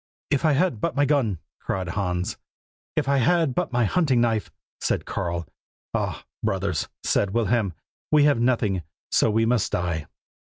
'If I had but my gun!' cried Hans. 'If I had but my hunting knife!' said Karl. 'Ah! brothers,' said Wilhelm, 'we have nothing, so we must die.